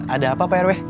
ada apa pak rw